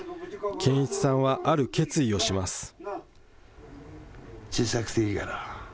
堅一さんはある決意をします。